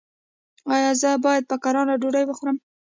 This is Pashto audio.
ایا زه باید په کراره ډوډۍ وخورم؟